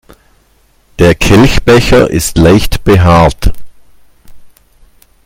Der Kelchbecher ist leicht behaart.